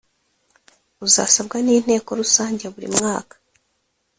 Uzasabwa n inteko rusange buri mwaka